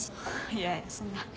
いやそんな。